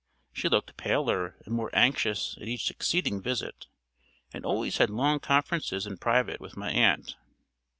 She looked paler and more anxious at each succeeding visit, and always had long conferences in private with my aunt.